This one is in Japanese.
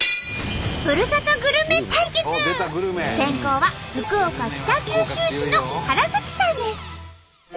先攻は福岡北九州市の原口さんです！